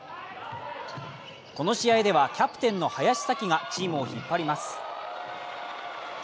この試合では、キャプテンの林咲希がチームを引っ張ります。